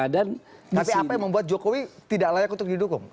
tapi apa yang membuat jokowi tidak layak untuk didukung